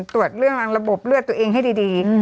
ตรวจเรื่องระบบเลือดตัวเองให้ดี